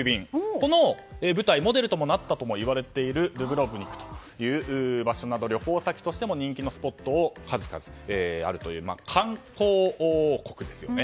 この舞台モデルともなったといわれているドゥブロブニクという場所など旅行先としても人気のスポットが数々あるという観光王国ですよね。